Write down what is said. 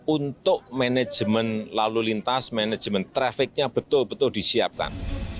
untuk manajemen lalu lintas manajemen trafficnya betul betul disiapkan